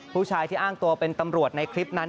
ผู้ชายที่อ้างตัวเป็นตำรวจในคลิปนั้น